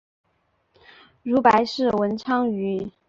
如白氏文昌鱼。